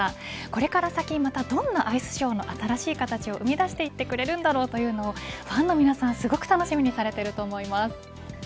これから先またどんなアイスショーの新しい形を生み出していってくれるんだろうとファンの皆さん、すごく楽しみにされていると思います。